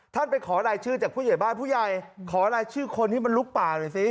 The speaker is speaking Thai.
ไปขอรายชื่อจากผู้ใหญ่บ้านผู้ใหญ่ขอรายชื่อคนที่มันลุกป่าหน่อยสิ